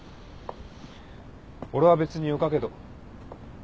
俺は別によかけど。